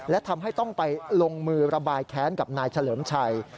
และทำให้ต้องไปลงมือระบายแค้นกับนายเฉลิมชัย